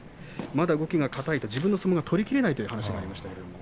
まだ動きが硬いと自分の相撲が取りきれていないと話していました。